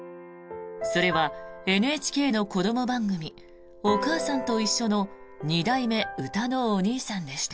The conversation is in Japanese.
それはＮＨＫの子ども番組「おかあさんといっしょ」の２代目うたのおにいさんでした。